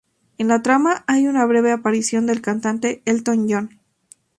En la trama hay una breve aparición del cantante Elton John.